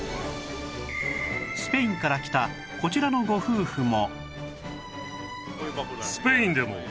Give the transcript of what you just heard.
スペインから来たこちらのご夫婦も